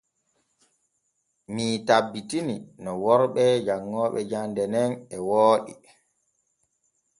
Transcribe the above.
Mii tabbitini no worɓe janŋooɓe jande nen e wooɗi.